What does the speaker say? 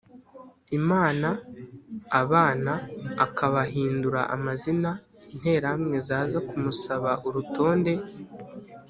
imana abana akabahindura amazina interahamwe zaza kumusaba urutonde